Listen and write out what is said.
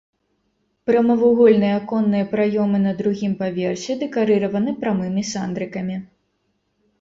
Прамавугольныя аконныя праёмы на другім паверсе дэкарыраваны прамымі сандрыкамі.